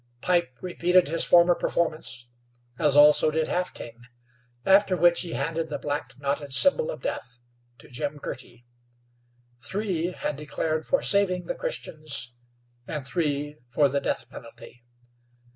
Pipe repeated his former performance, as also did Half King, after which he handed the black, knotted symbol of death to Jim Girty. Three had declared for saving the Christians, and three for the death penalty.